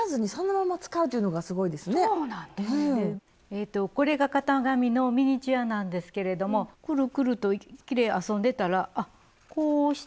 えっとこれが型紙のミニチュアなんですけれどもくるくるときれで遊んでたら「あっこうしたらバッグになるやん」って。